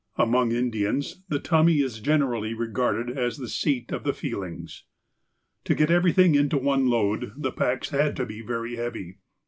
Among Indians the tummy is generally regarded as the seat of the feelings. To get everything into one load the packs had to be very heavy.